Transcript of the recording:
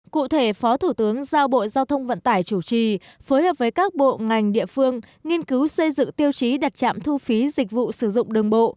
cụ thể phó thủ tướng giao bộ giao thông vận tải chủ trì phối hợp với các bộ ngành địa phương nghiên cứu xây dựng tiêu chí đặt trạm thu phí dịch vụ sử dụng đường bộ